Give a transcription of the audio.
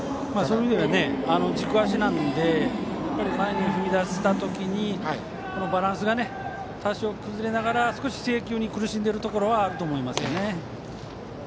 軸足なので前に踏み出した時にバランスが多少崩れながら少し制球に苦しんでいるところはあると思いますよね。